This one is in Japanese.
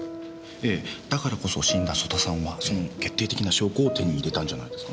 ええだからこそ死んだ曽田さんはその決定的な証拠を手に入れたんじゃないですか。